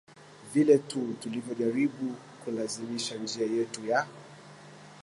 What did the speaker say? vile tu tulivyojaribu kulazimisha njia yetu ya